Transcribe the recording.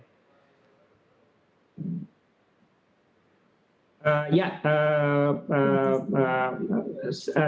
sama dengan omicron